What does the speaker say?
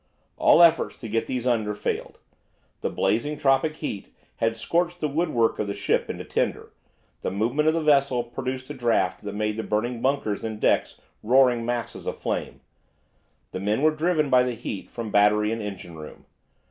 All efforts to get these under failed. The blazing tropic heat had scorched the woodwork of the ship into tinder, the movement of the vessel produced a draught that made the burning bunkers and decks roaring masses of flame. The men were driven by the heat from battery and engine room.